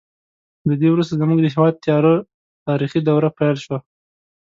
له دې وروسته زموږ د هېواد تیاره تاریخي دوره پیل شوه.